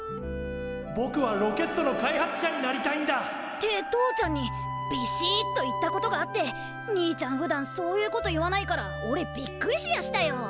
ぼくはロケットの開発者になりたいんだ！って父ちゃんにびしっと言ったことがあって兄ちゃんふだんそういうこと言わないからおれびっくりしやしたよ。